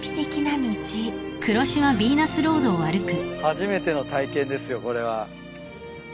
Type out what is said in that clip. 初めての体験ですよこれは。